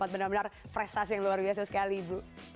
benar benar prestasi yang luar biasa sekali ibu